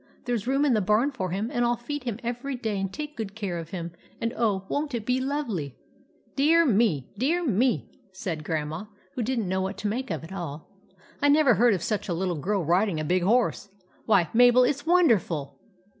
There 's room in the barn for him, and I '11 feed him every day and take good care of him, and oh, won't it be lovely !"" Dear me ! dear me !" said Grandma, who did n't know what to make of it all. " I never heard of such a little girl riding a big horse. Why, Mabel, it 's wonderful